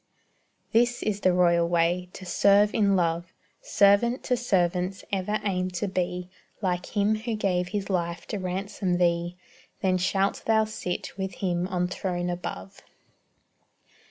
This is the royal way to serve in love Servant to servants ever aim to be Like Him who gave His life to ransom thee; Then shalt thou sit with Him on throne above.